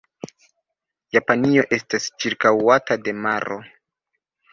Japanio estas ĉirkaŭata de maro.